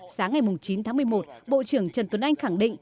sáng ngày chín tháng một mươi một bộ trưởng trần tuấn anh khẳng định